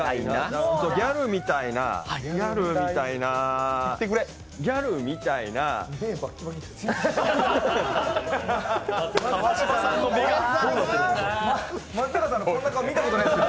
ギャルみたいなギャルみたいな松坂さんのこんな顔見たことないですよ。